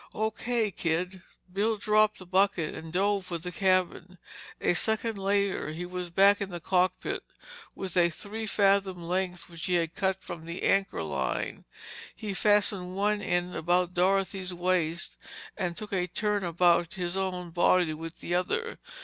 "O. K., kid." Bill dropped the bucket and dove for the cabin. A second later he was back in the cockpit with a three fathom length which he had cut from the anchor line. He fastened one end about Dorothy's waist and took a turn about his own body with the other.